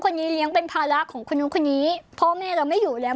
เลี้ยงเป็นภาระของคนนู้นคนนี้พ่อแม่เราไม่อยู่แล้ว